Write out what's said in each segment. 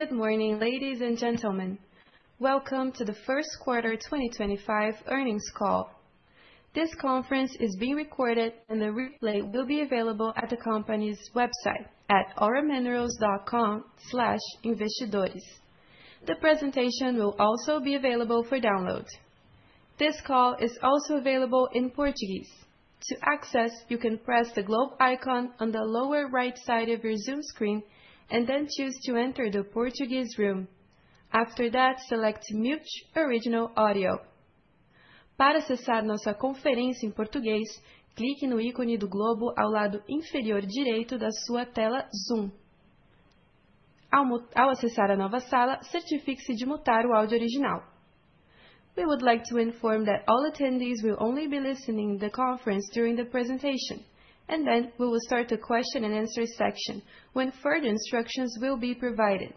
Good morning, ladies and gentlemen. Welcome to the first quarter 2025 earnings call. This conference is being recorded, and the replay will be available at the company's website at auraminerals.com/investidores. The presentation will also be available for download. This call is also available in Portuguese. To access, you can press the globe icon on the lower right side of your Zoom screen and then choose to enter the Portuguese room. After that, select mute original audio. Para acessar nossa conferência em português, clique no ícone do globo ao lado inferior direito da sua tela Zoom. Ao acessar a nova sala, certifique-se de mutar o áudio original. We would like to inform that all attendees will only be listening to the conference during the presentation, and then we will start the question and answer section when further instructions will be provided.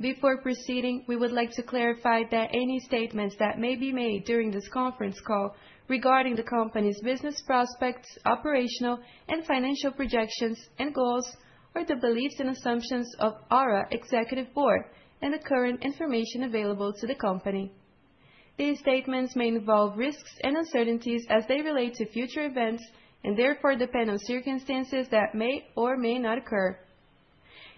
Before proceeding, we would like to clarify that any statements that may be made during this conference call regarding the company's business prospects, operational and financial projections and goals are the beliefs and assumptions of Aura Executive Board and the current information available to the company. These statements may involve risks and uncertainties as they relate to future events and therefore depend on circumstances that may or may not occur.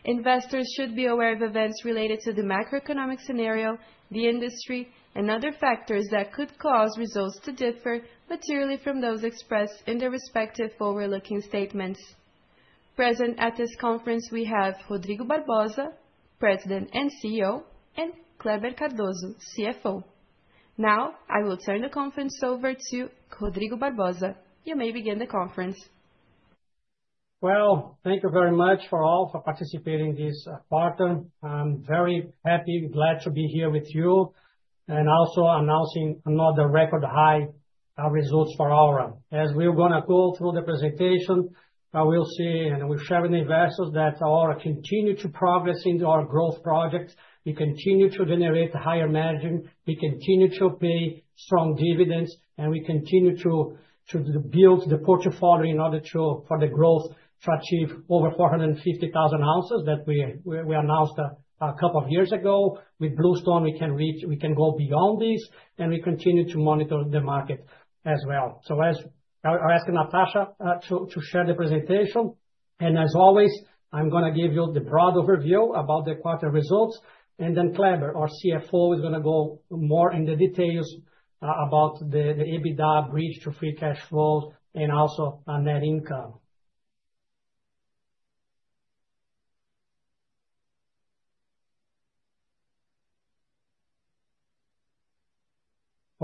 Investors should be aware of events related to the macroeconomic scenario, the industry, and other factors that could cause results to differ materially from those expressed in their respective forward-looking statements. Present at this conference, we have Rodrigo Barbosa, President and CEO, and Kleber Cardoso, CFO. Now, I will turn the conference over to Rodrigo Barbosa. You may begin the conference. Thank you very much for all for participating in this quarter. I'm very happy and glad to be here with you and also announcing another record high results for Aura. As we're going to go through the presentation, we'll see and we'll share with investors that Aura continues to progress in our growth project. We continue to generate higher margin. We continue to pay strong dividends, and we continue to build the portfolio in order for the growth to achieve over 450,000 ounces that we announced a couple of years ago. With Bluestone, we can go beyond this, and we continue to monitor the market as well. I'll ask Natasha to share the presentation. As always, I'm going to give you the broad overview about the quarter results. Kleber, our CFO, is going to go more into the details about the EBITDA bridge to free cash flows and also net income.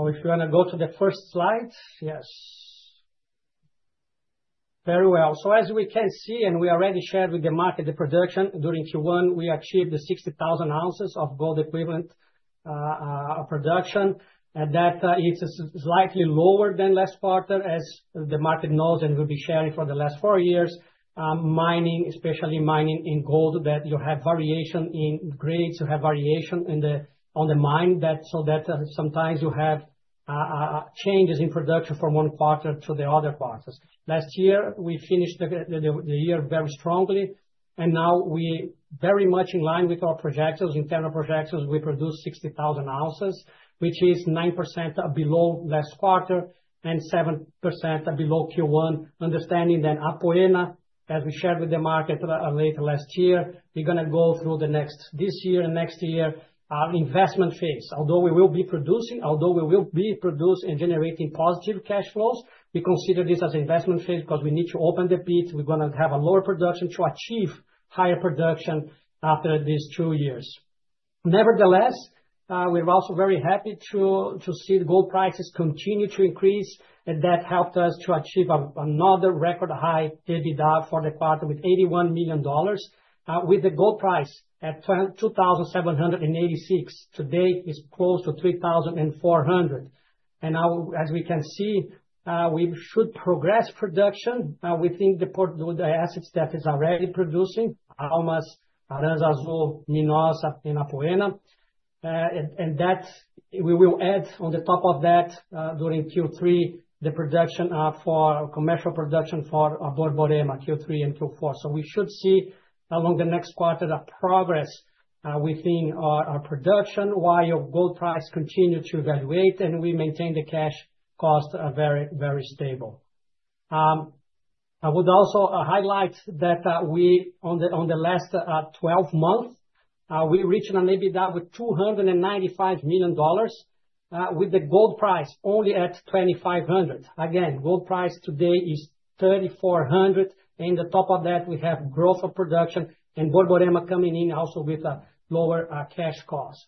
If you want to go to the first slide, yes. Very well. As we can see, and we already shared with the market, the production during Q1, we achieved 60,000 ounces of gold equivalent production. That is slightly lower than last quarter, as the market knows and we have been sharing for the last four years. Mining, especially mining in gold, you have variation in grades, you have variation on the mine, so sometimes you have changes in production from one quarter to the other quarters. Last year, we finished the year very strongly, and now we are very much in line with our projections. Internal projections, we produced 60,000 ounces, which is 9% below last quarter and 7% below Q1, understanding that Apoena, as we shared with the market later last year, we're going to go through this year and next year investment phase. Although we will be producing and generating positive cash flows, we consider this as an investment phase because we need to open the pits. We're going to have a lower production to achieve higher production after these two years. Nevertheless, we're also very happy to see the gold prices continue to increase, and that helped us to achieve another record high EBITDA for the quarter with $81 million. With the gold price at $2,786, today it's close to $3,400. Now, as we can see, we should progress production within the assets that are already producing: Almas, Aranzazu, Minosa in Apoena. We will add on the top of that, during Q3, the production for commercial production for Borborema, Q3 and Q4. We should see along the next quarter a progress within our production while gold prices continue to evaluate and we maintain the cash cost very, very stable. I would also highlight that on the last 12 months, we reached an EBITDA with $295 million with the gold price only at $2,500. Again, gold price today is $3,400. On top of that, we have growth of production and Borborema coming in also with a lower cash cost.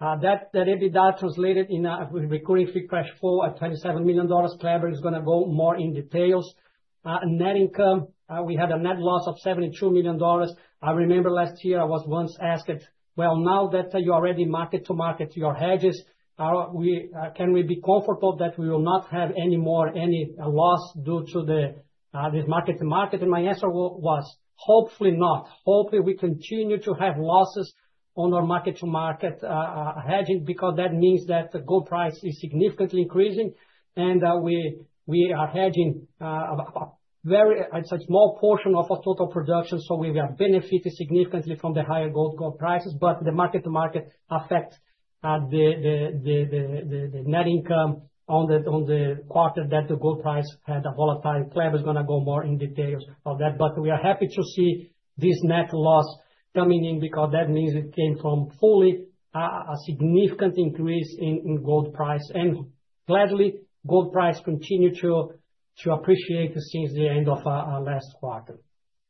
That EBITDA translated in recurring free cash flow at $27 million. Kleber is going to go more in details. Net income, we had a net loss of $72 million. I remember last year I was once asked, "Now that you already market to market your hedges, can we be comfortable that we will not have any more any loss due to this market to market?" My answer was, "Hopefully not. Hopefully, we continue to have losses on our market to market hedging because that means that the gold price is significantly increasing and we are hedging a very small portion of our total production. We have benefited significantly from the higher gold prices, but the market to market affects the net income on the quarter that the gold price had a volatile." Kleber is going to go more in details of that, but we are happy to see this net loss coming in because that means it came from fully a significant increase in gold price. Gladly, gold price continued to appreciate since the end of last quarter.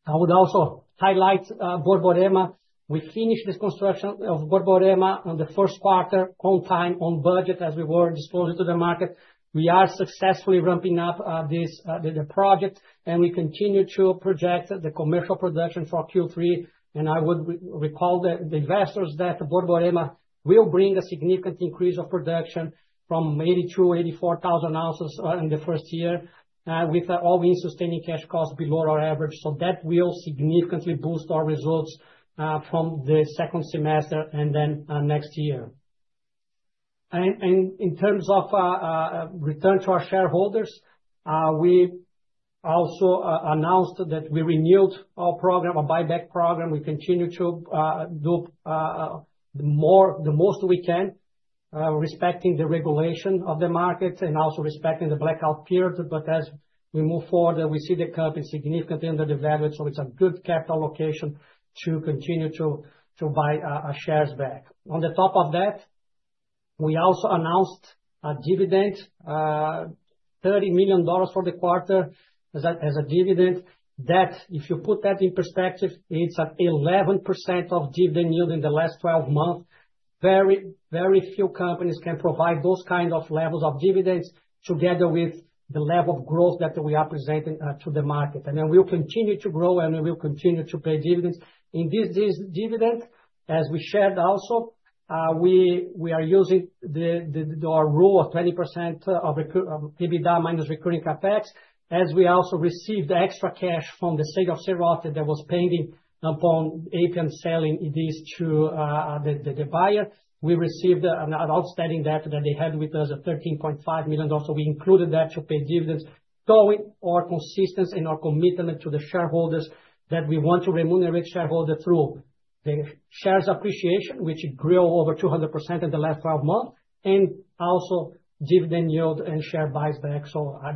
I would also highlight Borborema. We finished the construction of Borborema in the first quarter on time and on budget as we were disclosing to the market. We are successfully ramping up the project, and we continue to project the commercial production for Q3. I would recall the investors that Borborema will bring a significant increase of production from 82,000-84,000 ounces in the first year with all-in sustaining cash costs below our average. That will significantly boost our results from the second semester and then next year. In terms of return to our shareholders, we also announced that we renewed our program, our buyback program. We continue to do the most we can respecting the regulation of the markets and also respecting the blackout period. As we move forward, we see the company significantly undervalued. So it's a good capital location to continue to buy shares back. On top of that, we also announced a dividend, $30 million for the quarter as a dividend. If you put that in perspective, it's at 11% of dividend yield in the last 12 months. Very, very few companies can provide those kinds of levels of dividends together with the level of growth that we are presenting to the market. We will continue to grow and we will continue to pay dividends. In this dividend, as we shared also, we are using our rule of 20% of EBITDA minus recurring capex. As we also received extra cash from the sale of Cerrado that was pending upon APM selling this to the buyer, we received an outstanding debt that they had with us of $13.5 million. We included that to pay dividends, showing our consistency and our commitment to the shareholders that we want to remunerate shareholders through the shares appreciation, which grew over 200% in the last 12 months, and also dividend yield and share buyback.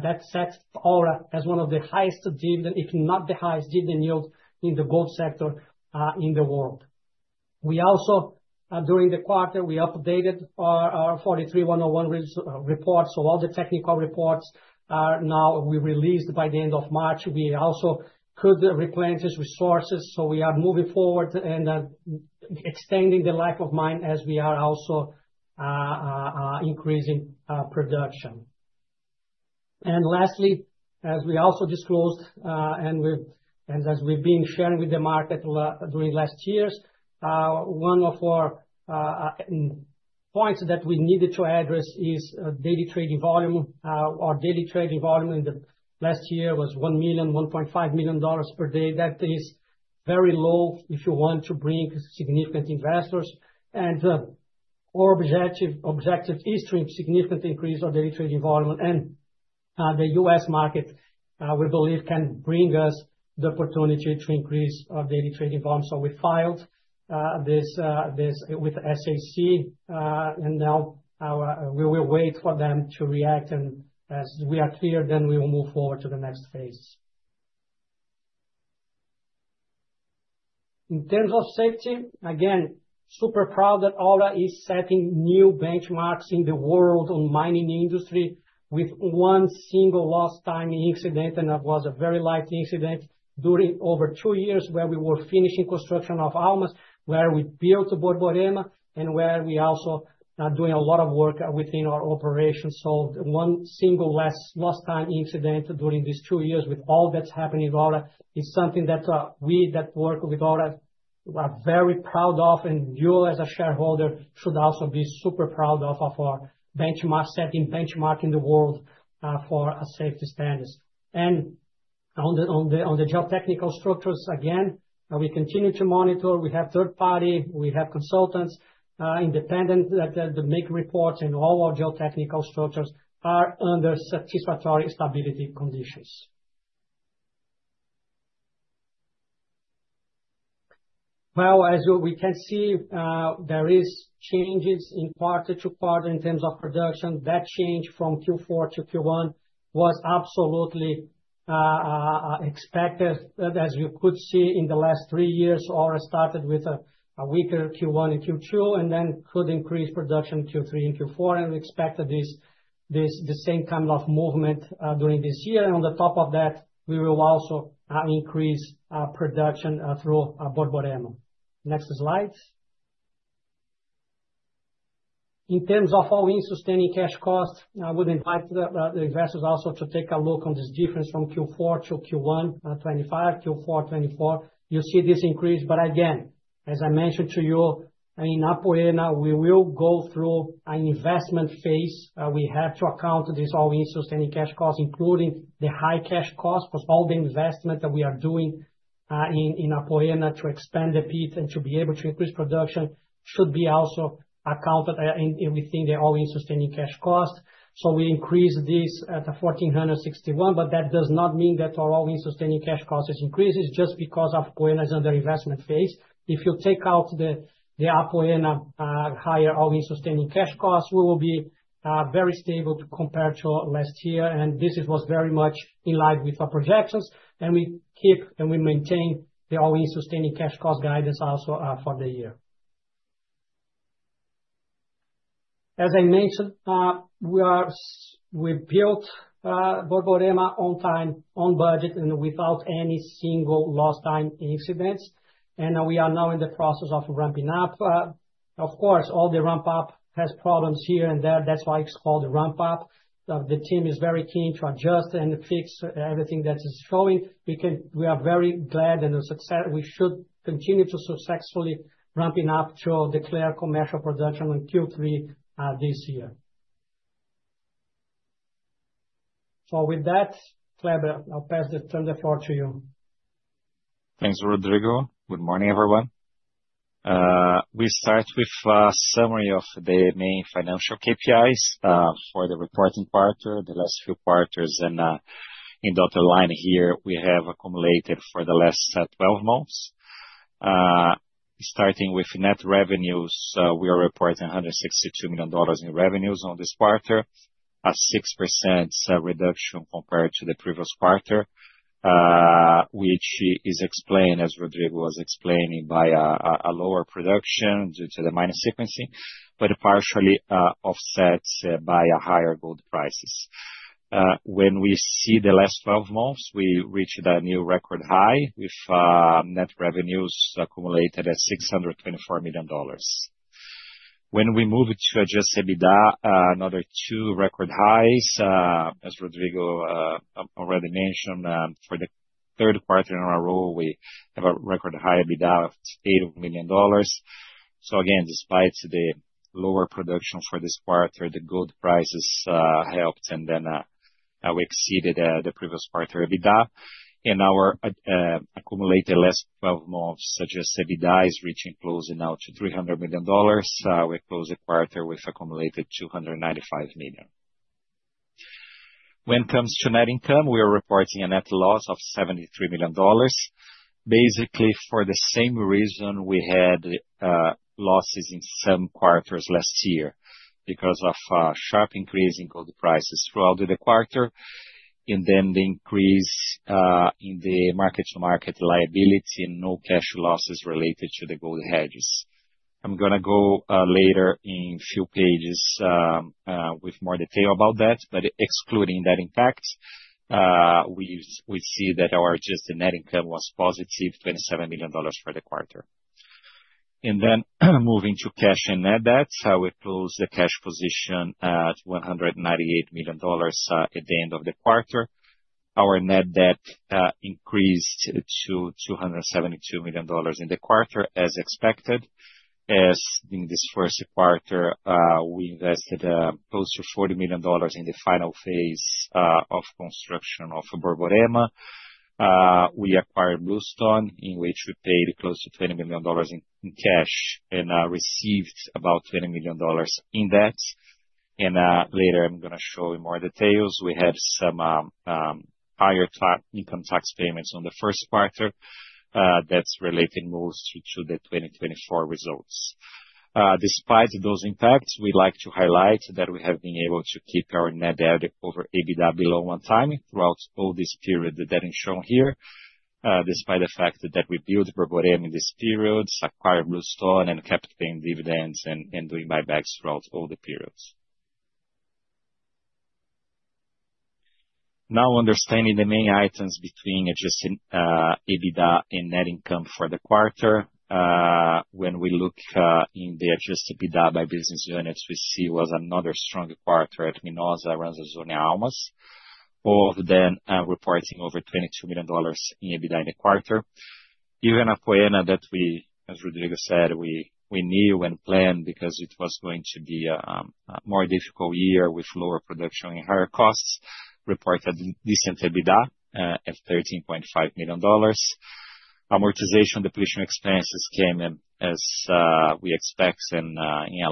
That sets Aura as one of the highest dividend, if not the highest dividend yield in the gold sector in the world. We also, during the quarter, updated our 43-101 report. All the technical reports are now released by the end of March. We also could replenish resources. We are moving forward and extending the life of mine as we are also increasing production. Lastly, as we also disclosed, and as we've been sharing with the market during last years, one of our points that we needed to address is daily trading volume. Our daily trading volume in the last year was $1 million, 1.5 million per day. That is very low if you want to bring significant investors. Our objective is to significantly increase our daily trading volume. The U.S. market, we believe, can bring us the opportunity to increase our daily trading volume. We filed this with SEC, and now we will wait for them to react. As we are clear, then we will move forward to the next phase. In terms of safety, again, super proud that Aura is setting new benchmarks in the world on mining industry with one single lost time incident. That was a very light incident during over two years where we were finishing construction of Almas, where we built Borborema, and where we also are doing a lot of work within our operations. One single less lost time incident during these two years with all that's happening in Aura is something that we that work with Aura are very proud of. You as a shareholder should also be super proud of our benchmark setting, benchmarking the world for safety standards. On the geotechnical structures, again, we continue to monitor. We have third party, we have consultants independent that make reports, and all our geotechnical structures are under satisfactory stability conditions. As we can see, there are changes in quarter to quarter in terms of production. That change from Q4 to Q1 was absolutely expected, as you could see in the last three years. Aura started with a weaker Q1 and Q2 and then could increase production Q3 and Q4. We expected this same kind of movement during this year. On top of that, we will also increase production through Borborema. Next slide. In terms of all-in sustaining cash cost, I would invite the investors also to take a look at this difference from Q4 to Q1, 2025, Q4, 2024. You will see this increase. Again, as I mentioned to you, in Apoena, we will go through an investment phase. We have to account for this all-in sustaining cash cost, including the high cash cost because all the investment that we are doing in Apoena to expand the pit and to be able to increase production should also be accounted for within the all-in sustaining cash cost. We increased this at $1,461, but that does not mean that our all-in sustaining cash cost has increased just because Apoena is under investment phase. If you take out the Apoena higher all-in sustaining cash cost, we will be very stable compared to last year. This was very much in line with our projections. We keep and we maintain the all-in sustaining cash cost guidance also for the year. As I mentioned, we built Borborema on time, on budget, and without any single lost time incidents. We are now in the process of ramping up. Of course, all the ramp-up has problems here and there. That is why it is called ramp-up. The team is very keen to adjust and fix everything that is showing. We are very glad and we should continue to successfully ramp up to declare commercial production on Q3 this year. With that, Kleber, I'll pass the floor to you. Thanks, Rodrigo. Good morning, everyone. We start with a summary of the main financial KPIs for the reporting quarter, the last few quarters. In the outer line here, we have accumulated for the last 12 months. Starting with net revenues, we are reporting $162 million in revenues on this quarter, a 6% reduction compared to the previous quarter, which is explained, as Rodrigo was explaining, by a lower production due to the mining sequencing, but partially offset by higher gold prices. When we see the last 12 months, we reached a new record high with net revenues accumulated at $624 million. When we move to adjust EBITDA, another two record highs, as Rodrigo already mentioned, for the third quarter in our role, we have a record high EBITDA of $8 million. Again, despite the lower production for this quarter, the gold prices helped, and then we exceeded the previous quarter EBITDA. Our accumulated last 12 months suggest EBITDA is reaching close now to $300 million. We closed the quarter with accumulated $295 million. When it comes to net income, we are reporting a net loss of $73 million, basically for the same reason we had losses in some quarters last year because of a sharp increase in gold prices throughout the quarter, and the increase in the market-to-market liability and no cash losses related to the gold hedges. I am going to go later in a few pages with more detail about that, but excluding that impact, we see that our just net income was positive, $27 million for the quarter. Moving to cash and net debt, we closed the cash position at $198 million at the end of the quarter. Our net debt increased to $272 million in the quarter, as expected. As in this first quarter, we invested close to $40 million in the final phase of construction of Borborema. We acquired Bluestone, in which we paid close to $20 million in cash and received about $20 million in debt. Later, I'm going to show you more details. We had some higher income tax payments on the first quarter that's related mostly to the 2024 results. Despite those impacts, we'd like to highlight that we have been able to keep our net debt over EBITDA below one time throughout all this period that is shown here, despite the fact that we built Borborema in this period, acquired Bluestone, and kept paying dividends and doing buybacks throughout all the periods. Now, understanding the main items between adjusting EBITDA and net income for the quarter, when we look in the adjusted EBITDA by business units, we see it was another strong quarter at MINOSA, Aranzazu, and Almas, both then reporting over $22 million in EBITDA in the quarter. Even Apoena that we, as Rodrigo said, we knew and planned because it was going to be a more difficult year with lower production and higher costs, reported decent EBITDA at $13.5 million. Amortization depletion expenses came in as we expect and in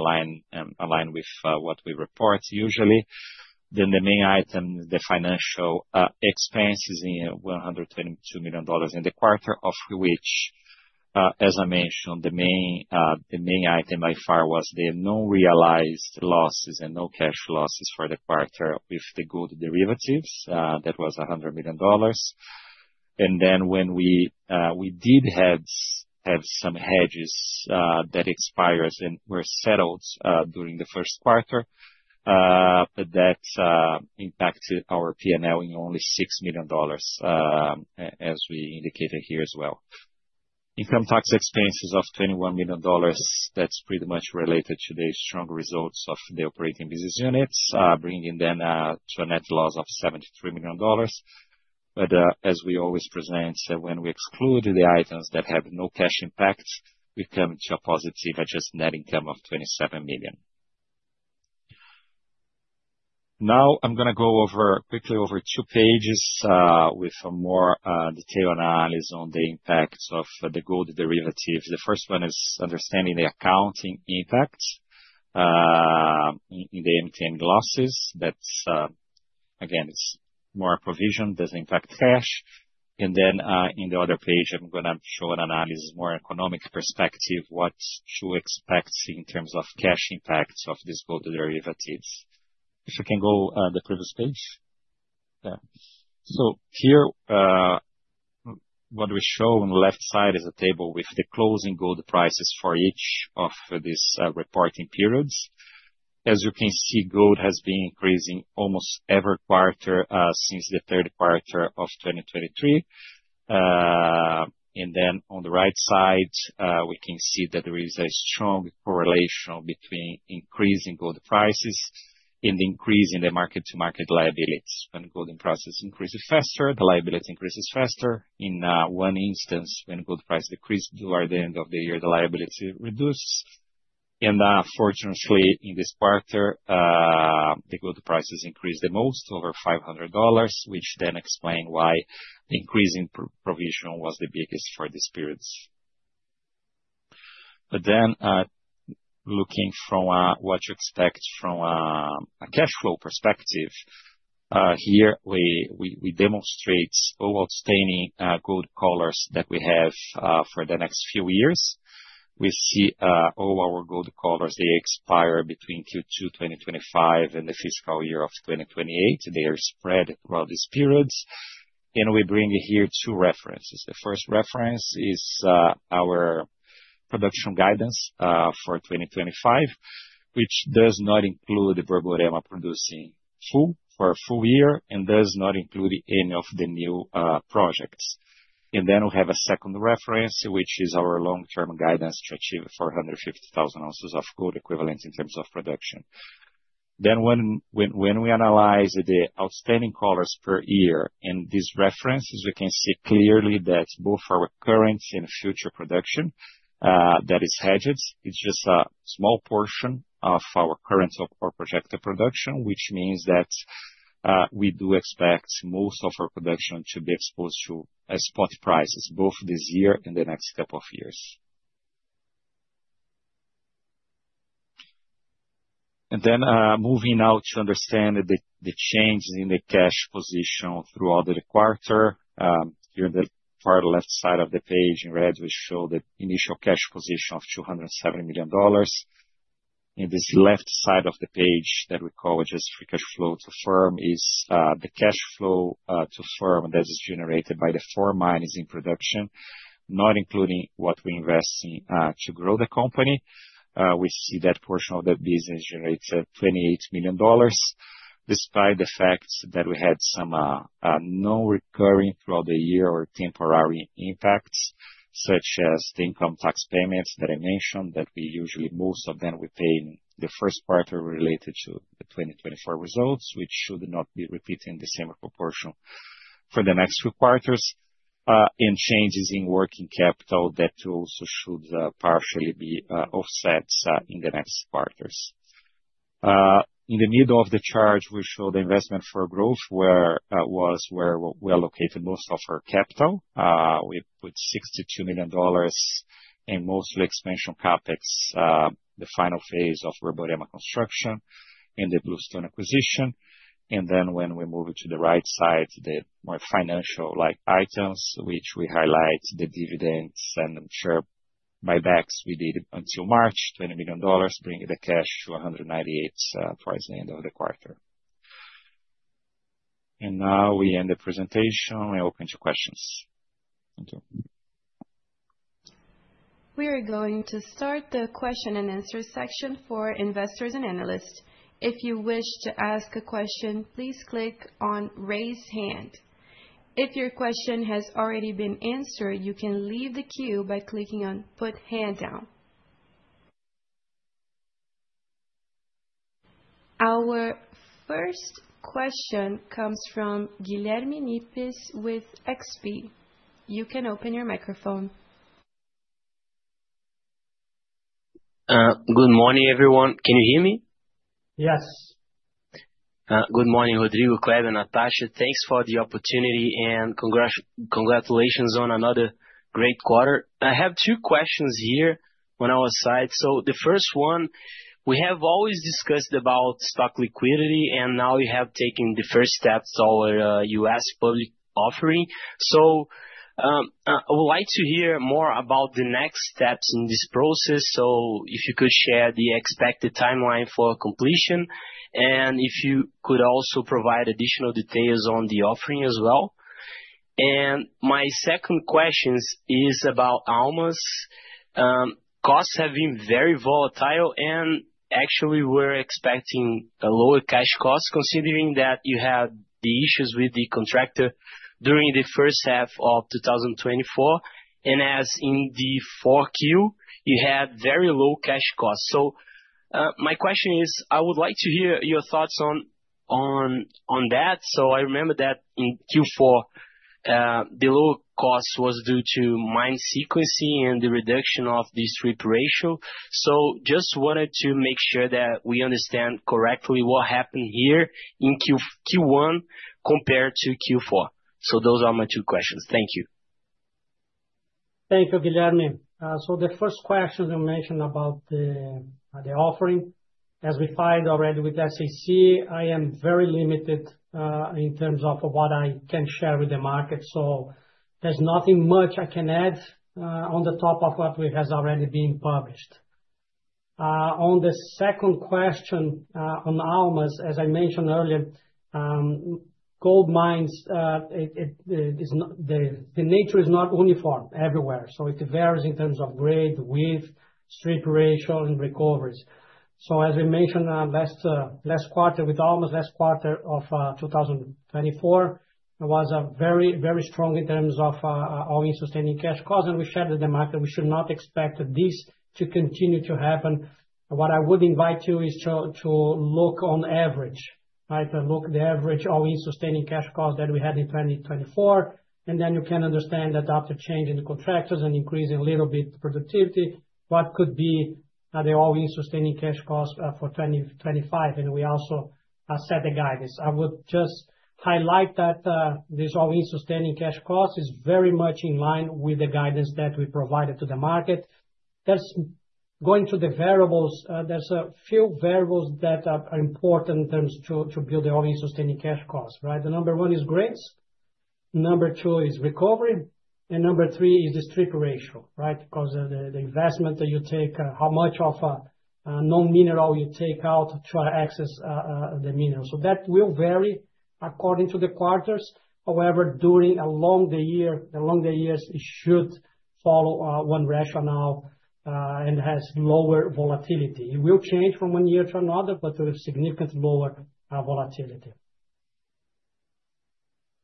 line with what we report usually. The main item, the financial expenses in $122 million in the quarter, of which, as I mentioned, the main item by far was the non-realized losses and no cash losses for the quarter with the gold derivatives. That was $100 million. When we did have some hedges that expired and were settled during the first quarter, that impacted our P&L in only $6 million, as we indicated here as well. Income tax expenses of $21 million, that's pretty much related to the strong results of the operating business units, bringing them to a net loss of $73 million. As we always present, when we exclude the items that have no cash impact, we come to a positive adjusted net income of $27 million. Now, I'm going to go over quickly over two pages with more detailed analysis on the impacts of the gold derivatives. The first one is understanding the accounting impacts in the MTM losses. That's, again, it's more provision. Does it impact cash? In the other page, I'm going to show an analysis, more economic perspective, what to expect in terms of cash impacts of these gold derivatives. If you can go to the previous page. Yeah. Here, what we show on the left side is a table with the closing gold prices for each of these reporting periods. As you can see, gold has been increasing almost every quarter since the quarter of 2023. On the right side, we can see that there is a strong correlation between increasing gold prices and increasing the market-to-market liabilities. When gold prices increase faster, the liabilities increase faster. In one instance, when gold prices decrease toward the end of the year, the liability reduces. Fortunately, in this quarter, the gold prices increased the most, over $500, which then explains why the increase in provision was the biggest for these periods. Looking from what you expect from a cash flow perspective, here we demonstrate all outstanding gold collars that we have for the next few years. We see all our gold collars expire between Q2 2025 and the fiscal year of 2028. They are spread throughout these periods. We bring here two references. The first reference is our production guidance for 2025, which does not include the Borborema producing for a full year and does not include any of the new projects. We have a second reference, which is our long-term guidance to achieve 450,000 ounces of gold equivalent in terms of production. When we analyze the outstanding collars per year and these references, we can see clearly that both our current and future production that is hedged, it's just a small portion of our current or projected production, which means that we do expect most of our production to be exposed to spot prices, both this year and the next couple of years. Moving now to understand the changes in the cash position throughout the quarter. Here in the far left side of the page in red, we show the initial cash position of $207 million. In this left side of the page that we call adjusted free cash flow to firm, is the cash flow to firm that is generated by the four miners in production, not including what we invest in to grow the company. We see that portion of the business generates $28 million, despite the fact that we had some non-recurring throughout the year or temporary impacts, such as the income tax payments that I mentioned that we usually most of them we pay in the first quarter related to the 2024 results, which should not be repeating the same proportion for the next few quarters, and changes in working capital that also should partially be offset in the next quarters. In the middle of the chart, we show the investment for growth where was where we allocated most of our capital. We put $62 million in mostly expansion CapEx, the final phase of Borborema construction, and the Bluestone acquisition. Then when we move to the right side, the more financial-like items, which we highlight, the dividends and share buybacks we did until March, $20 million, bringing the cash to $198 million towards the end of the quarter. Now we end the presentation. I open to questions. Thank you. We are going to start the question and answer section for investors and analysts. If you wish to ask a question, please click on Raise Hand. If your question has already been answered, you can leave the queue by clicking on Put Hand Down. Our first question comes from Guilherme Nippes with XP. You can open your microphone. Good morning, everyone. Can you hear me? Yes. Good morning, Rodrigo, Kleber, Natasha. Thanks for the opportunity and congratulations on another great quarter. I have two questions here on our side. The first one, we have always discussed about stock liquidity, and now you have taken the first steps toward US public offering. I would like to hear more about the next steps in this process. If you could share the expected timeline for completion, and if you could also provide additional details on the offering as well. My second question is about Almas. Costs have been very volatile, and actually, we are expecting a lower cash cost considering that you had the issues with the contractor during the first half of 2024. As in the 4Q, you had very low cash costs. My question is, I would like to hear your thoughts on that. I remember that in Q4, the low cost was due to mine sequencing and the reduction of the SRIP ratio. Just wanted to make sure that we understand correctly what happened here in Q1 compared to Q4. Those are my two questions. Thank you. Thank you, Guilherme. The first question you mentioned about the offering, as we find already with SAC, I am very limited in terms of what I can share with the market. There is nothing much I can add on top of what has already been published. On the second question on ALMAS, as I mentioned earlier, gold mines, the nature is not uniform everywhere. It varies in terms of grade, width, SRIP ratio, and recoveries. As we mentioned last quarter with ALMAS, last quarter of 2024, it was very, very strong in terms of all-in sustaining cash costs. We shared with the market we should not expect this to continue to happen. What I would invite you is to look on average, right? Look at the average all-in sustaining cash costs that we had in 2024. Then you can understand that after changing the contractors and increasing a little bit productivity, what could be the all-in sustaining cash costs for 2025. We also set the guidance. I would just highlight that this all-in sustaining cash cost is very much in line with the guidance that we provided to the market. Going to the variables, there are a few variables that are important in terms to build the all-in sustaining cash costs, right? The number one is grades. Number two is recovery. Number three is the SRIP ratio, right? Because the investment that you take, how much of a non-mineral you take out to access the mineral. That will vary according to the quarters. However, during a long year, the longer years, it should follow one rationale and has lower volatility. It will change from one year to another, but with significantly lower volatility.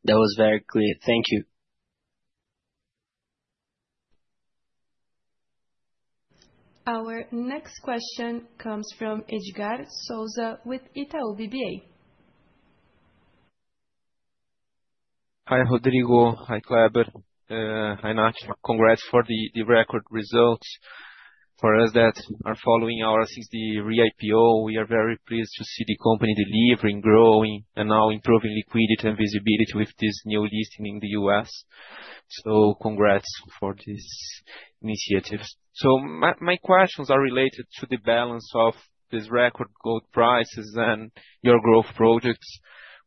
That was very clear. Thank you. Our next question comes from Edgar Souza with Itaú BBA. Hi, Rodrigo. Hi, Kleber. Hi, Natasha. Congrats for the record results for us that are following Aura since the re-IPO. We are very pleased to see the company delivering, growing, and now improving liquidity and visibility with this new listing in the US. Congrats for this initiative. My questions are related to the balance of these record gold prices and your growth projects.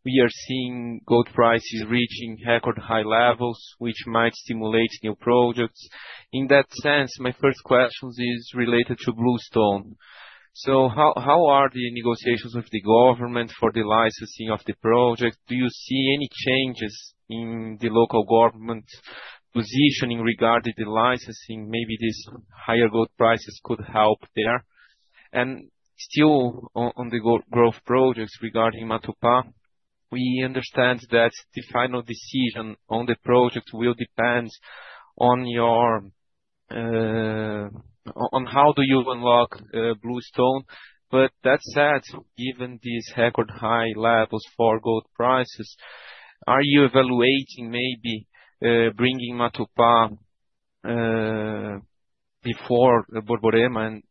We are seeing gold prices reaching record high levels, which might stimulate new projects. In that sense, my first question is related to Bluestone. How are the negotiations with the government for the licensing of the project? Do you see any changes in the local government positioning regarding the licensing? Maybe these higher gold prices could help there. Still on the growth projects regarding Matupá, we understand that the final decision on the project will depend on how you unlock Bluestone. That said, given these record high levels for gold prices, are you evaluating maybe bringing Matupá before Borborema and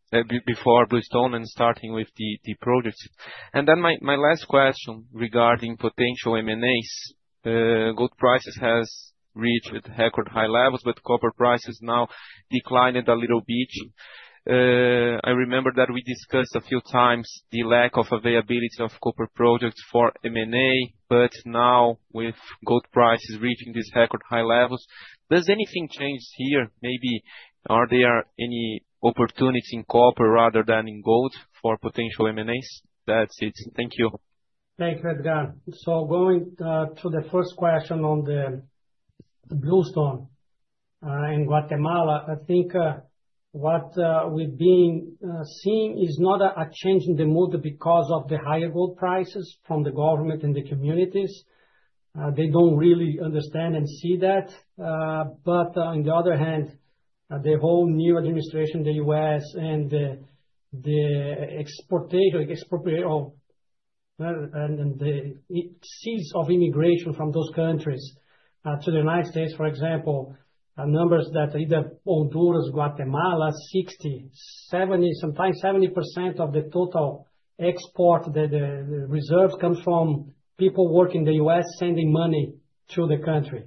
before Bluestone and starting with the projects? My last question regarding potential M&As. Gold prices have reached record high levels, but copper prices now declined a little bit. I remember that we discussed a few times the lack of availability of copper projects for M&A, but now with gold prices reaching these record high levels, does anything change here? Maybe are there any opportunities in copper rather than in gold for potential M&As? That's it. Thank you. Thank you, Edgar. Going to the first question on the Bluestone in Guatemala, I think what we've been seeing is not a change in the mood because of the higher gold prices from the government and the communities. They do not really understand and see that. On the other hand, the whole new administration, the U.S., and the exportation and the cease of immigration from those countries to the United States, for example, numbers that either Honduras, Guatemala, 60-70, sometimes 70% of the total export, the reserves come from people working in the U.S. sending money to the country.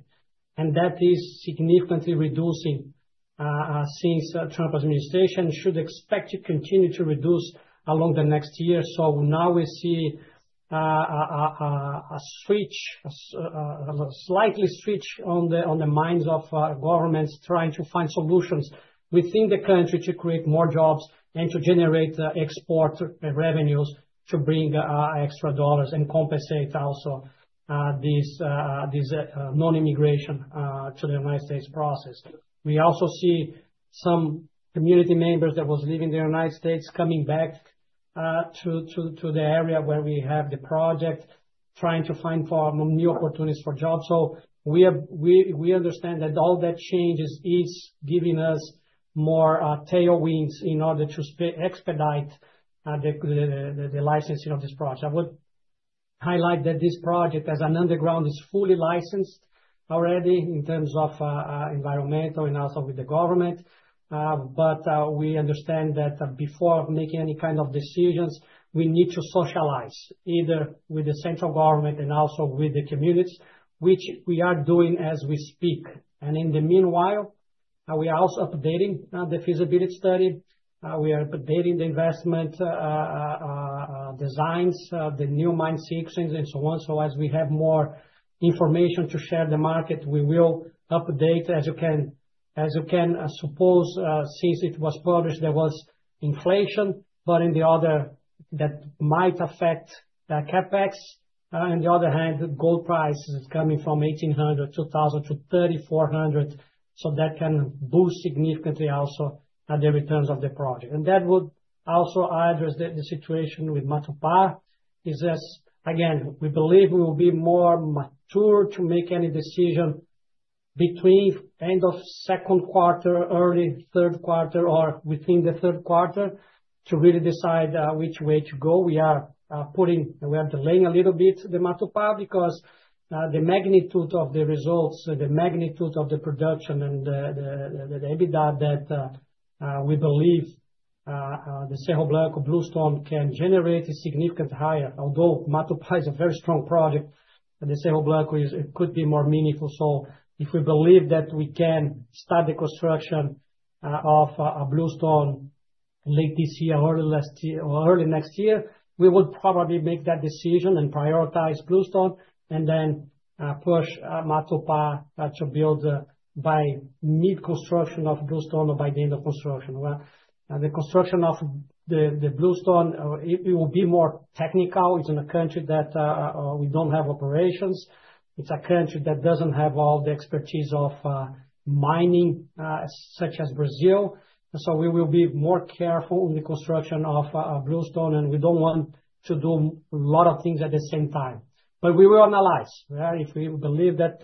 That is significantly reducing since the Trump administration and should be expected to continue to reduce along the next year. Now we see a slight switch on the minds of governments trying to find solutions within the country to create more jobs and to generate export revenues to bring extra dollars and compensate also these non-immigration to the United States process. We also see some community members that were leaving the United States coming back to the area where we have the project trying to find new opportunities for jobs. We understand that all that change is giving us more tailwinds in order to expedite the licensing of this project. I would highlight that this project as an underground is fully licensed already in terms of environmental and also with the government. We understand that before making any kind of decisions, we need to socialize either with the central government and also with the communities, which we are doing as we speak. In the meanwhile, we are also updating the feasibility study. We are updating the investment designs, the new mine sequences, and so on. As we have more information to share with the market, we will update. As you can suppose, since it was published, there was inflation that might affect the CapEx. On the other hand, gold price is coming from $1,800 to $2,000 to $3,400. That can boost significantly also the returns of the project. That would also address the situation with Matupá. Again, we believe we will be more mature to make any decision between end of second quarter, early third quarter, or within the third quarter to really decide which way to go. We are delaying a little bit the Matupá because the magnitude of the results, the magnitude of the production, and the EBITDA that we believe the Cerro Blanco Bluestone can generate is significantly higher. Although Matupá is a very strong project, the Cerro Blanco could be more meaningful. If we believe that we can start the construction of Bluestone late this year or early next year, we would probably make that decision and prioritize Bluestone and then push Matupá to build by mid-construction of Bluestone or by the end of construction. The construction of the Bluestone, it will be more technical. It is in a country that we do not have operations. It is a country that does not have all the expertise of mining such as Brazil. We will be more careful in the construction of Bluestone, and we do not want to do a lot of things at the same time. We will analyze. If we believe that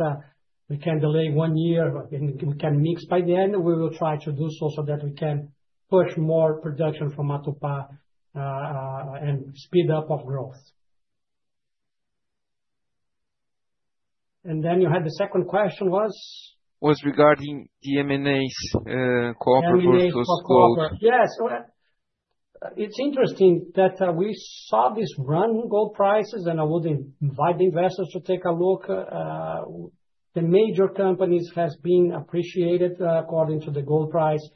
we can delay one year and we can mix by the end, we will try to do so so that we can push more production from Matupá and speed up our growth. You had the second question, was regarding the M&As cooperative with gold. Yes. It is interesting that we saw this run in gold prices, and I would invite the investors to take a look. The major companies have been appreciated according to the gold price.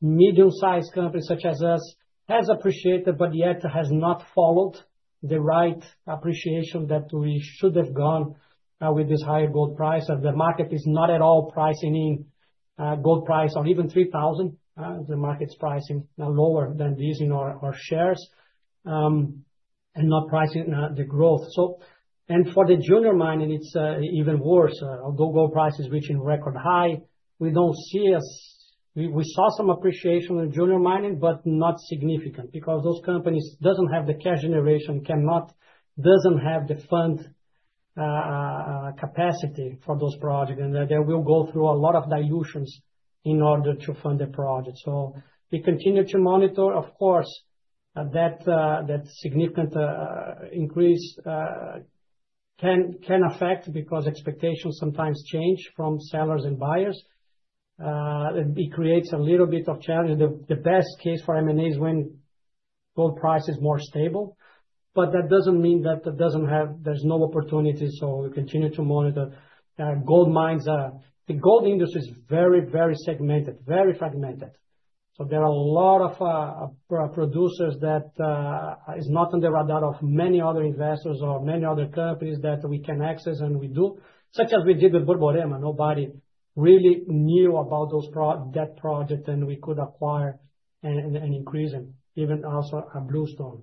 Medium-sized companies such as us have appreciated, but yet have not followed the right appreciation that we should have gone with this higher gold price. The market is not at all pricing in gold price or even $3,000. The market's pricing lower than these in our shares and not pricing the growth. For the junior mining, it's even worse. Although gold price is reaching record high, we do not see, we saw some appreciation in junior mining, but not significant because those companies do not have the cash generation, do not have the fund capacity for those projects, and they will go through a lot of dilutions in order to fund the project. We continue to monitor, of course, that significant increase can affect because expectations sometimes change from sellers and buyers. It creates a little bit of challenge. The best case for M&A is when gold price is more stable. That does not mean that there is no opportunity. We continue to monitor gold mines. The gold industry is very, very segmented, very fragmented. There are a lot of producers that are not on the radar of many other investors or many other companies that we can access, and we do, such as we did with Borborema. Nobody really knew about that project, and we could acquire and increase even also a Bluestone.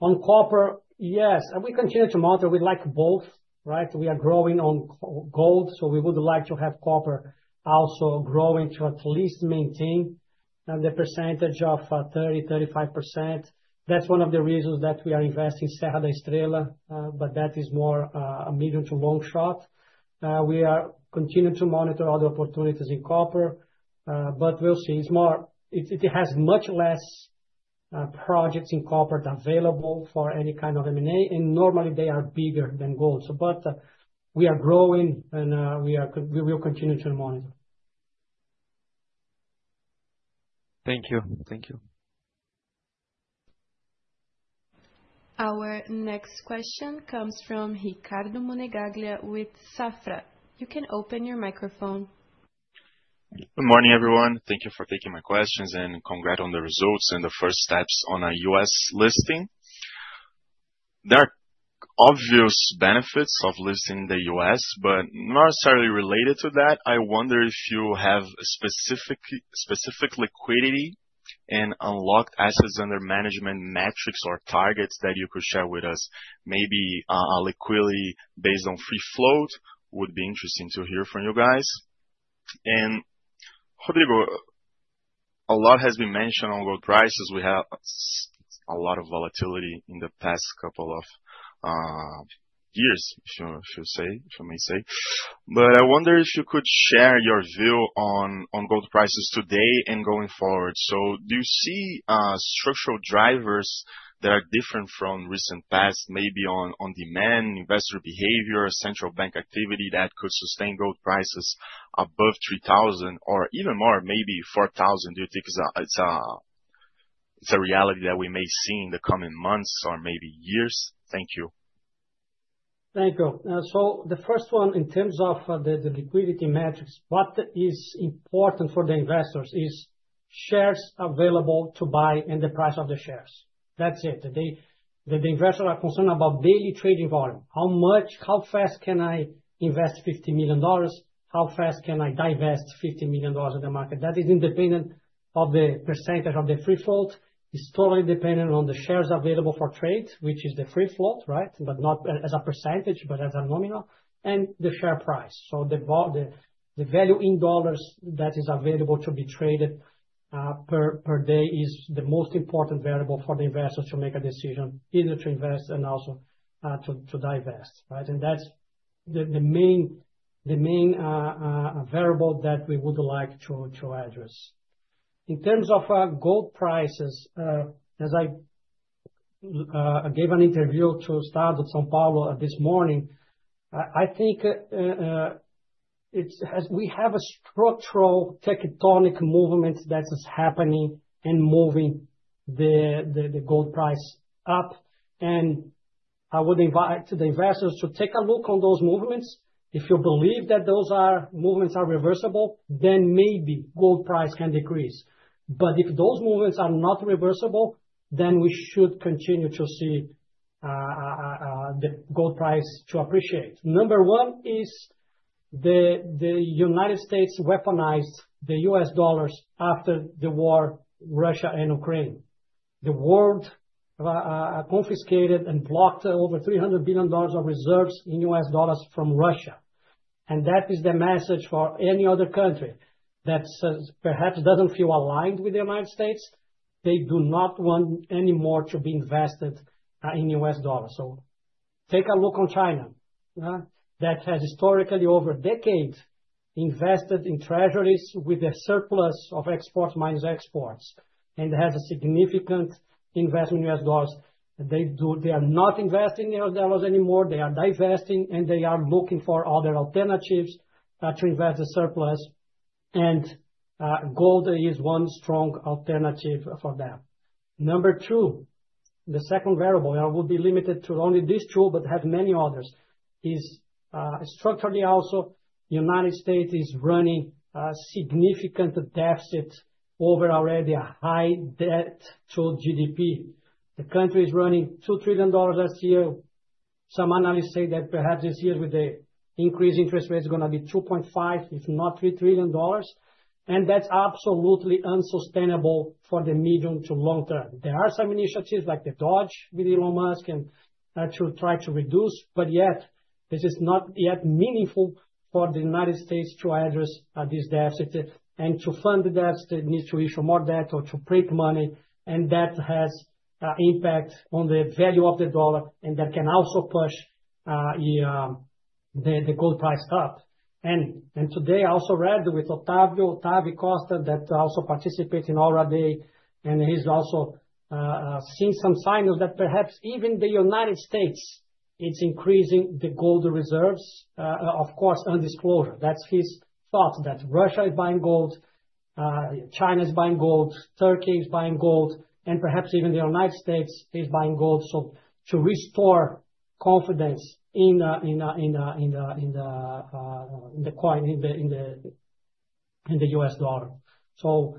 On copper, yes. We continue to monitor. We like both, right? We are growing on gold, so we would like to have copper also growing to at least maintain the percentage of 30-35%. That is one of the reasons that we are investing in Serra da Estrela, but that is more a medium to long shot. We continue to monitor other opportunities in copper, but we will see. It has much fewer projects in copper available for any kind of M&A, and normally they are bigger than gold. We are growing, and we will continue to monitor. Thank you. Thank you. Our next question comes from Ricardo Monegaglia with Safra. You can open your microphone. Good morning, everyone. Thank you for taking my questions and congrats on the results and the first steps on a US listing. There are obvious benefits of listing in the US, but not necessarily related to that. I wonder if you have specific liquidity and unlocked assets under management metrics or targets that you could share with us. Maybe a liquidity based on free float would be interesting to hear from you guys. And Rodrigo, a lot has been mentioned on gold prices. We have a lot of volatility in the past couple of years, if you may say. But I wonder if you could share your view on gold prices today and going forward. Do you see structural drivers that are different from recent past, maybe on demand, investor behavior, central bank activity that could sustain gold prices above $3,000 or even more, maybe $4,000? Do you think it's a reality that we may see in the coming months or maybe years? Thank you. Thank you. The first one, in terms of the liquidity metrics, what is important for the investors is shares available to buy and the price of the shares. That's it. The investors are concerned about daily trading volume. How fast can I invest $50 million? How fast can I divest $50 million in the market? That is independent of the percentage of the free float. It's totally dependent on the shares available for trade, which is the free float, right? Not as a percentage, but as a nominal, and the share price. The value in dollars that is available to be traded per day is the most important variable for the investors to make a decision either to invest and also to divest, right? That is the main variable that we would like to address. In terms of gold prices, as I gave an interview to STARDOT-Saint-Paulo this morning, I think we have a structural tectonic movement that is happening and moving the gold price up. I would invite the investors to take a look on those movements. If you believe that those movements are reversible, then maybe gold price can decrease. If those movements are not reversible, then we should continue to see the gold price appreciate. Number one is the United States weaponized the US dollars after the war, Russia and Ukraine. The world confiscated and blocked over $300 billion of reserves in US dollars from Russia. That is the message for any other country that perhaps does not feel aligned with the United States. They do not want any more to be invested in US dollars. Take a look on China. That has historically, over decades, invested in treasuries with a surplus of exports minus exports and has a significant investment in US dollars. They are not investing in US dollars anymore. They are divesting, and they are looking for other alternatives to invest the surplus. Gold is one strong alternative for them. Number two, the second variable, I will be limited to only these two, but have many others, is structurally also the United States is running a significant deficit over already a high debt to GDP. The country is running $2 trillion last year. Some analysts say that perhaps this year with the increased interest rates is going to be $2.5, if not $3 trillion. That's absolutely unsustainable for the medium to long term. There are some initiatives like the DOGE with Elon Musk and to try to reduce, but yet this is not yet meaningful for the United States to address this deficit. To fund the deficit, it needs to issue more debt or to print money. That has an impact on the value of the dollar, and that can also push the gold price up. Today, I also read with Octavio Costa that also participates in Aura Day, and he's also seen some signals that perhaps even the United States, it's increasing the gold reserves. Of course, undisclosure. That's his thought that Russia is buying gold, China is buying gold, Turkey is buying gold, and perhaps even the United States is buying gold to restore confidence in the coin, in the US dollar. In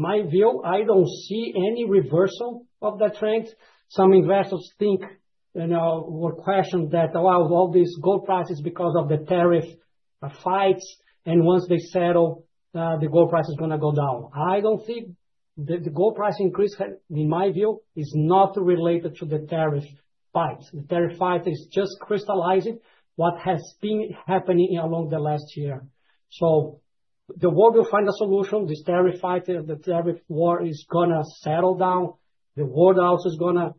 my view, I don't see any reversal of that trend. Some investors think or question that, wow, all these gold prices because of the tariff fights, and once they settle, the gold price is going to go down. I don't think the gold price increase, in my view, is not related to the tariff fights. The tariff fight is just crystallizing what has been happening along the last year. The war will find a solution. This tariff fight, the tariff war is going to settle down. The world also is going to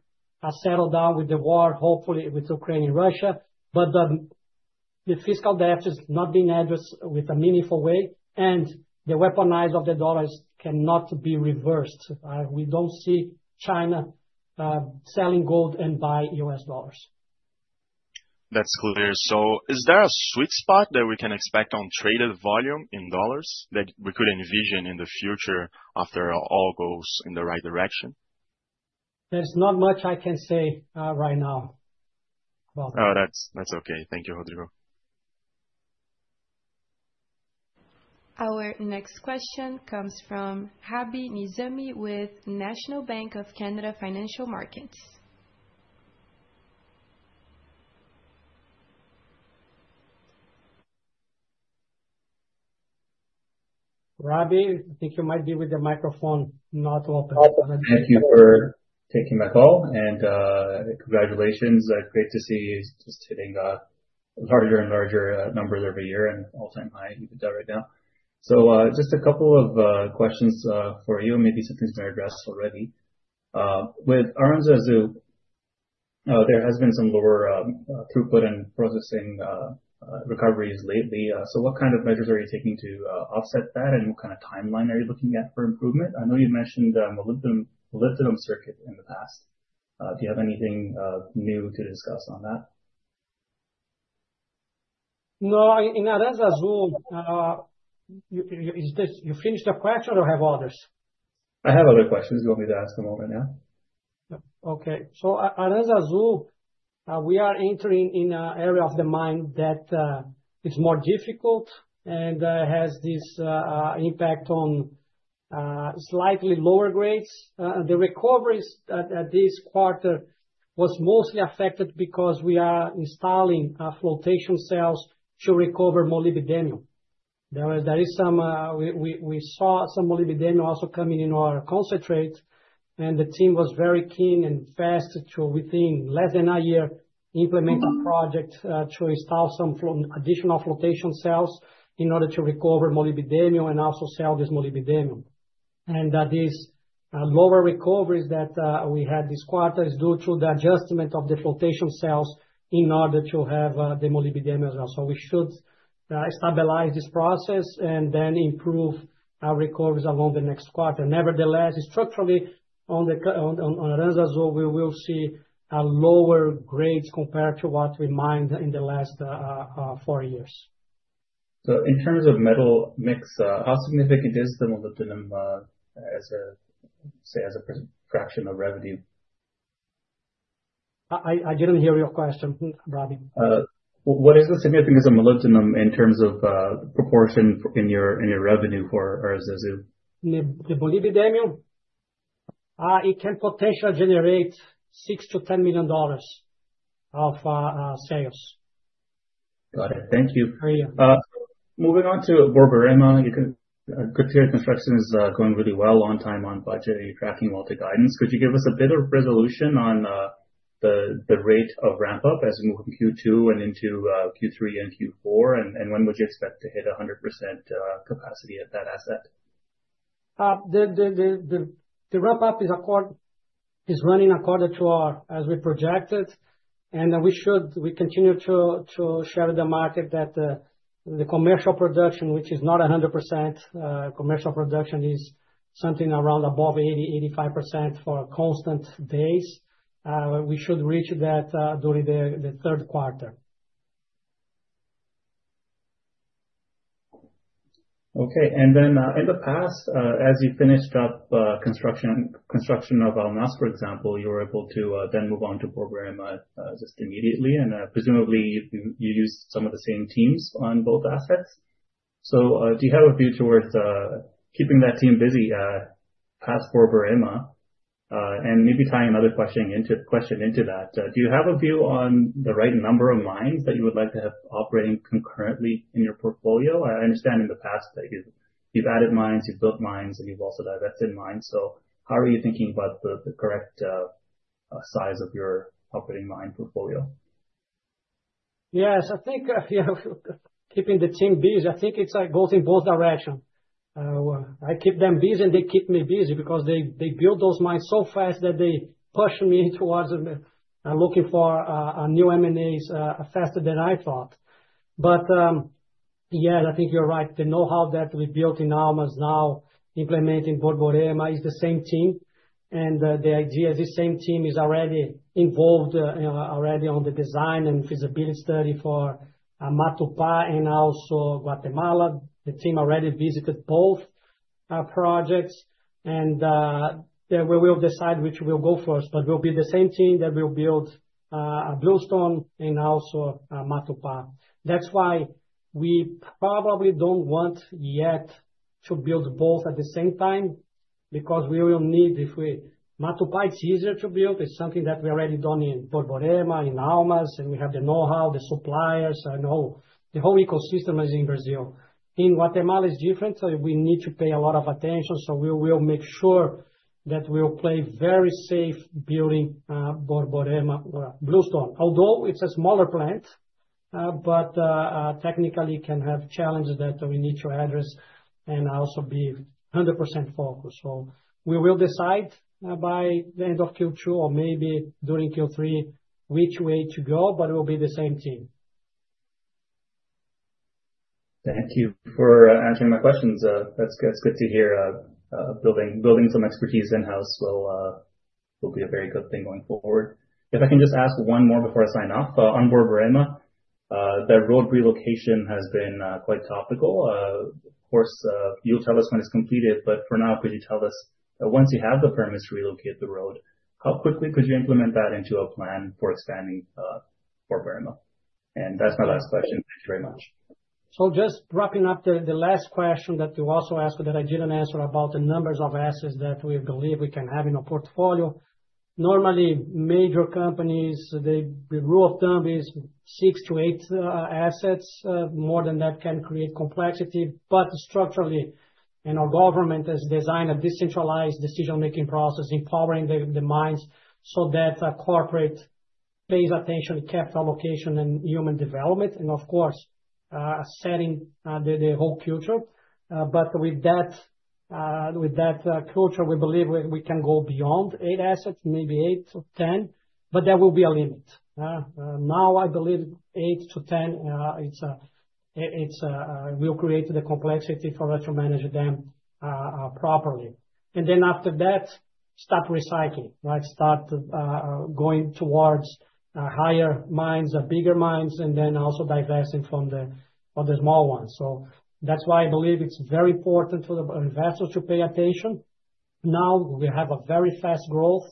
settle down with the war, hopefully with Ukraine and Russia. The fiscal debt is not being addressed in a meaningful way, and the weaponization of the dollars cannot be reversed. We do not see China selling gold and buying US dollars. That is clear. Is there a sweet spot that we can expect on traded volume in dollars that we could envision in the future after all goes in the right direction? There is not much I can say right now. Oh, that is okay. Thank you, Rodrigo. Our next question comes from Rabi Nizami with National Bank of Canada Financial Markets. Rabi, I think you might be with the microphone not open. Thank you for taking my call. Congratulations. Great to see you just hitting larger and larger numbers every year and all-time high. You did that right now. Just a couple of questions for you, and maybe some things we have addressed already. With Aranzazu, there has been some lower throughput and processing recoveries lately. What kind of measures are you taking to offset that, and what kind of timeline are you looking at for improvement? I know you mentioned a molybdenum circuit in the past. Do you have anything new to discuss on that? No, in Aranzazu, you finished the question or have others? I have other questions. Do you want me to ask them all right now? Okay. So Aranzazu, we are entering in an area of the mine that is more difficult and has this impact on slightly lower grades. The recovery this quarter was mostly affected because we are installing flotation cells to recover molybdenum. We saw some molybdenum also coming in our concentrate, and the team was very keen and fast to, within less than a year, implement a project to install some additional flotation cells in order to recover molybdenum and also sell this molybdenum. These lower recoveries that we had this quarter are due to the adjustment of the flotation cells in order to have the molybdenum as well. We should stabilize this process and then improve our recoveries along the next quarter. Nevertheless, structurally, on Aranzazu, we will see lower grades compared to what we mined in the last four years. In terms of metal mix, how significant is the molybdenum as a fraction of revenue? I did not hear your question, Rabi. What is the significance of molybdenum in terms of proportion in your revenue for Aranzazu? The molybdenum, it can potentially generate $6 million to $10 million of sales. Got it. Thank you. Moving on to Borborema, you can hear construction is going really well, on time, on budget, and you're tracking well to guidance. Could you give us a bit of resolution on the rate of ramp-up as we move from Q2 and into Q3 and Q4? When would you expect to hit 100% capacity at that asset? The ramp-up is running according to our as we projected. We should continue to share with the market that the commercial production, which is not 100% commercial production, is something around above 80-85% for constant days. We should reach that during the third quarter. Okay. In the past, as you finished up construction of Almas, for example, you were able to then move on to Borborema just immediately. Presumably, you used some of the same teams on both assets. Do you have a view towards keeping that team busy past Borborema? Maybe tying another question into that, do you have a view on the right number of mines that you would like to have operating concurrently in your portfolio? I understand in the past that you've added mines, you've built mines, and you've also divested mines. How are you thinking about the correct size of your operating mine portfolio? Yes. I think keeping the team busy, I think it's going in both directions. I keep them busy, and they keep me busy because they build those mines so fast that they push me towards looking for new M&As faster than I thought. Yes, I think you're right. The know-how that we built in Almas now, implementing Borborema, is the same team. The idea is the same team is already involved already on the design and feasibility study for Matupá and also Guatemala. The team already visited both projects. We will decide which will go first. It will be the same team that will build Bluestone and also Matupá. That is why we probably do not want yet to build both at the same time because we will need, if we, Matupá, it is easier to build. It is something that we have already done in Borborema, in Almas, and we have the know-how, the suppliers. The whole ecosystem is in Brazil. In Guatemala, it is different. We need to pay a lot of attention. We will make sure that we will play very safe building Borborema or Bluestone. Although it is a smaller plant, technically, it can have challenges that we need to address and also be 100% focused. We will decide by the end of Q2 or maybe during Q3 which way to go, but it will be the same team. Thank you for answering my questions. That's good to hear. Building some expertise in-house will be a very good thing going forward. If I can just ask one more before I sign off. On Borborema, the road relocation has been quite topical. Of course, you will tell us when it is completed. For now, could you tell us once you have the permits to relocate the road, how quickly could you implement that into a plan for expanding Borborema? That is my last question. Thank you very much. Just wrapping up the last question that you also asked that I did not answer about the numbers of assets that we believe we can have in our portfolio. Normally, major companies, the rule of thumb is six to eight assets. More than that can create complexity. Structurally, our government has designed a decentralized decision-making process empowering the mines so that corporate pays attention to capital allocation and human development and, of course, setting the whole future. With that culture, we believe we can go beyond eight assets, maybe eight or ten, but there will be a limit. I believe eight to ten, it will create the complexity for us to manage them properly. After that, stop recycling, right? Start going towards higher mines, bigger mines, and then also divesting from the small ones. That is why I believe it is very important for the investors to pay attention. We have a very fast growth.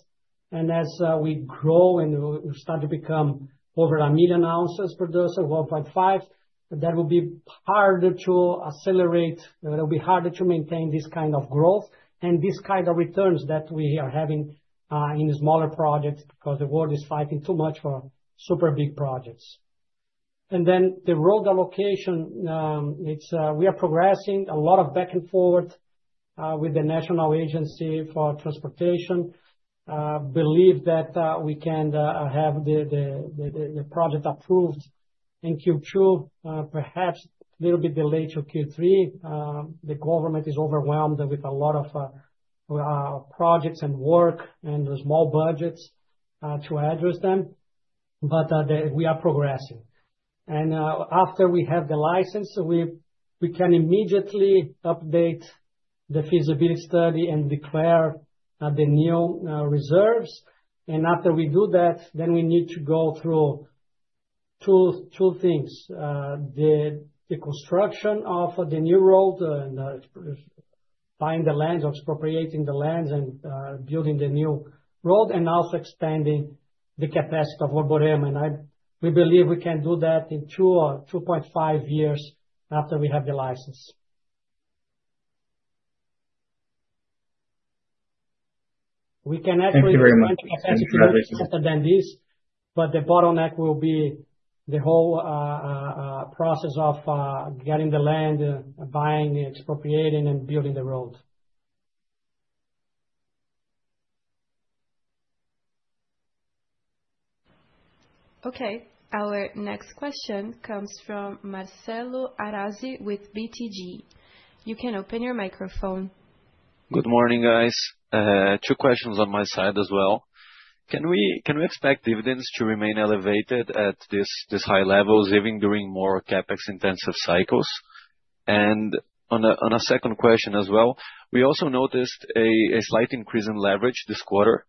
As we grow and start to become over a million ounces per dozen, 1.5, that will be harder to accelerate. It'll be harder to maintain this kind of growth and this kind of returns that we are having in smaller projects because the world is fighting too much for super big projects. The road allocation, we are progressing a lot of back and forth with the National Agency for Transportation. Believe that we can have the project approved in Q2, perhaps a little bit delayed to Q3. The government is overwhelmed with a lot of projects and work and small budgets to address them. We are progressing. After we have the license, we can immediately update the feasibility study and declare the new reserves. After we do that, we need to go through two things: the construction of the new road, buying the land or expropriating the land and building the new road, and also expanding the capacity of Borborema. We believe we can do that in 2-2.5 years after we have the license. We can actually find a capacity better than this, but the bottleneck will be the whole process of getting the land, buying, expropriating, and building the road. Okay. Our next question comes from Marcelo Arazi with BTG. You can open your microphone. Good morning, guys. Two questions on my side as well. Can we expect dividends to remain elevated at this high level, even during more CapEx-intensive cycles? On a second question as well, we also noticed a slight increase in leverage this quarter.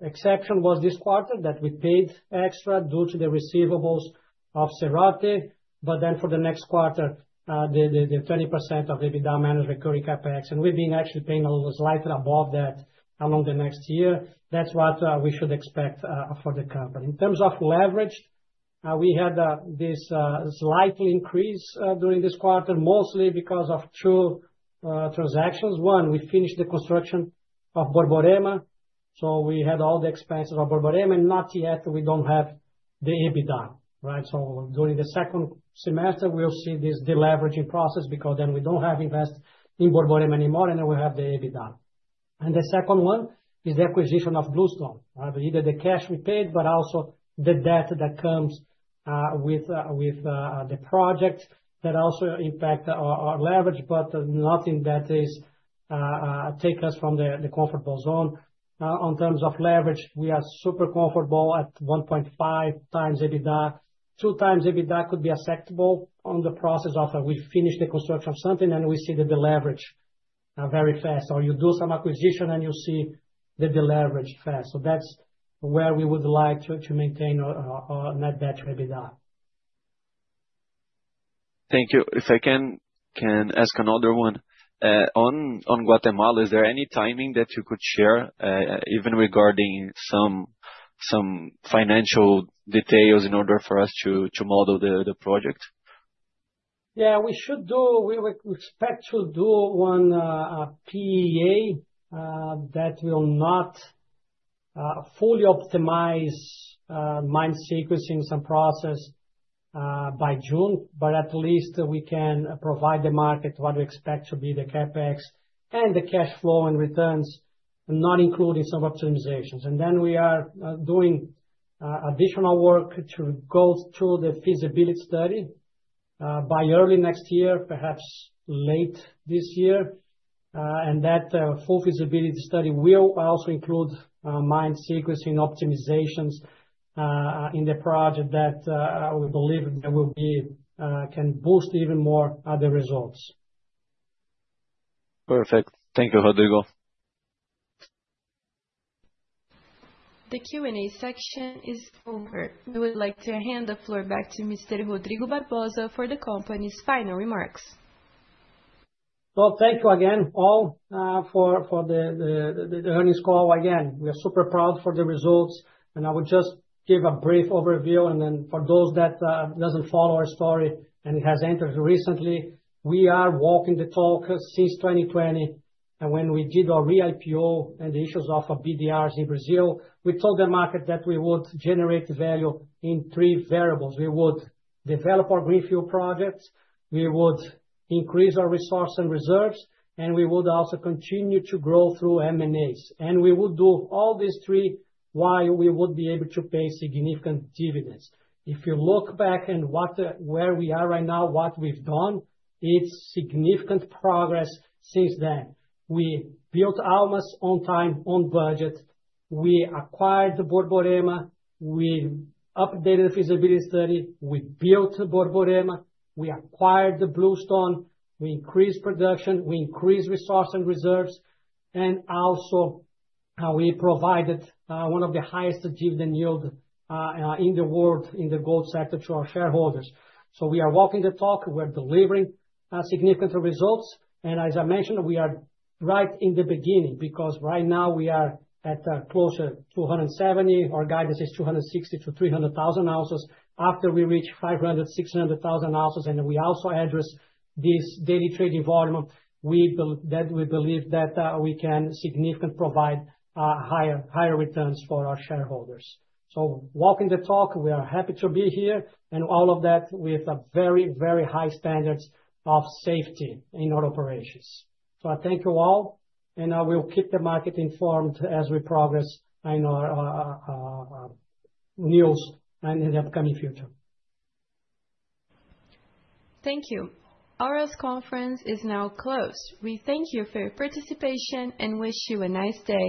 In terms of leverage, we had this slight increase during this quarter, mostly because of two transactions. One, we finished the construction of Borborema. So we had all the expenses of Borborema, and not yet we do not have the EBITDA, right? During the second semester, we will see this deleveraging process because then we do not have to invest in Borborema anymore, and then we have the EBITDA. The second one is the acquisition of Bluestone, either the cash we paid, but also the debt that comes with the project that also impacts our leverage, but nothing that takes us from the comfortable zone. In terms of leverage, we are super comfortable at 1.5 times EBITDA. Two times EBITDA could be acceptable in the process after we finish the construction of something, and we see the deleverage very fast. Or you do some acquisition, and you see the deleverage fast. That is where we would like to maintain a net better EBITDA. Thank you. If I can ask another one, on Guatemala, is there any timing that you could share, even regarding some financial details in order for us to model the project? Yeah, we should do. We expect to do one PEA that will not fully optimize mine sequencing and some process by June, but at least we can provide the market what we expect to be the CapEx and the cash flow and returns, not including some optimizations. We are doing additional work to go through the feasibility study by early next year, perhaps late this year. That full feasibility study will also include mine sequencing optimizations in the project that we believe can boost even more other results. Perfect. Thank you, Rodrigo. The Q&A section is over. We would like to hand the floor back to Mr. Rodrigo Barbosa for the company's final remarks. Thank you again, all, for the earnings call. Again, we are super proud for the results. I will just give a brief overview. For those that do not follow our story and have entered recently, we are walking the talk since 2020. When we did our re-IPO and the issues of BDRs in Brazil, we told the market that we would generate value in three variables. We would develop our greenfield projects. We would increase our resources and reserves. We would also continue to grow through M&As. We would do all these three while we would be able to pay significant dividends. If you look back at where we are right now, what we have done, it is significant progress since then. We built Almas on time, on budget. We acquired the Borborema. We updated the feasibility study. We built the Borborema. We acquired the Bluestone. We increased production. We increased resources and reserves. And also, we provided one of the highest dividend yields in the world in the gold sector to our shareholders. We are walking the talk. We're delivering significant results. As I mentioned, we are right in the beginning because right now we are at closer to 270. Our guidance is 260-300,000 ounces. After we reach 500,000-600,000 ounces, and we also address this daily trading volume, we believe that we can significantly provide higher returns for our shareholders. Walking the talk, we are happy to be here. All of that with very, very high standards of safety in our operations. I thank you all. We will keep the market informed as we progress in our news and in the upcoming future. Thank you. Aura's conference is now closed. We thank you for your participation and wish you a nice day.